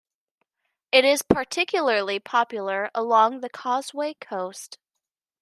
It is particularly popular along the Causeway Coast.